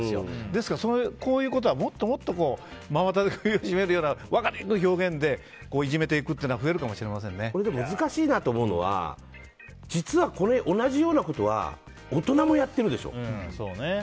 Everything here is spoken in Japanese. だから、こういうことはもっともっと真綿で首を締めるような分かりにくい表現でいじめていくっていうのは難しいなと思うのは実は同じようなことは大人もやってるでしょ。